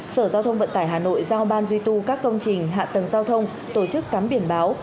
sở giao thông vận tải hà nội giao ban duy tu các công trình hạ tầng giao thông tổ chức cắm biển báo